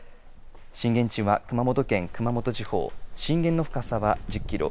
震源地は熊本県熊本地方、震源の深さは１０キロ。